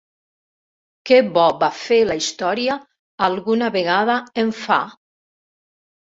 Què bo va fer la història alguna vegada em fa?